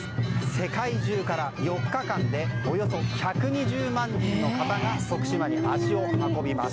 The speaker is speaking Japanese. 世界中から４日間でおよそ１２０万人の方が徳島に足を運びます。